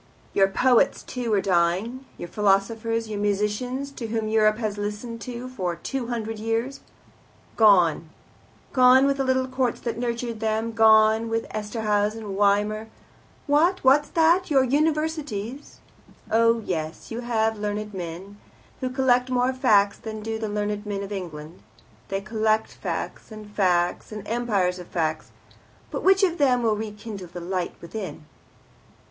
Your poets too are dying, your philosophers, your musicians, to whom Europe has listened for two hundred years. Gone. Gone with the little courts that nurtured them gone with Esterhaz and Weimar. What? What's that? Your Universities? Oh, yes, you have learned men, who collect more facts than do the learned men of England. They collect facts, and facts, and empires of facts. But which of them will rekindle the light within?"